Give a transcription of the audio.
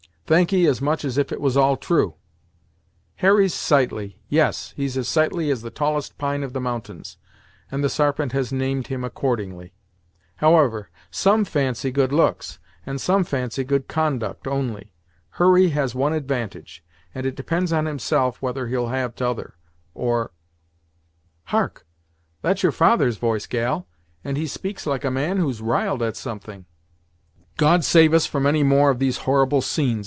"Thankee as much as if it was all true. Harry's sightly yes, he's as sightly as the tallest pine of the mountains, and the Sarpent has named him accordingly; however, some fancy good looks, and some fancy good conduct, only. Hurry has one advantage, and it depends on himself whether he'll have t'other or Hark! That's your father's voice, gal, and he speaks like a man who's riled at something." "God save us from any more of these horrible scenes!"